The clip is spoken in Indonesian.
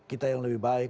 kita yang lebih baik